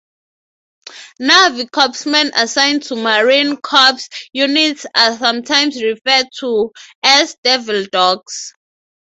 Navy Corpsmen assigned to Marine Corps units are sometimes referred to as "Devil Docs".